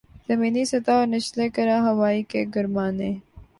زمینی سطح اور نچلے کرۂ ہوائی کے گرمانے